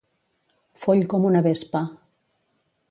Foll com una vespa.